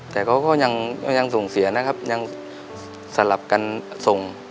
แต่เขาก็ยังส่งเสียนะครับยังสลับกันส่ง